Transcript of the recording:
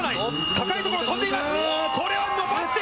高いところ、飛んでいます。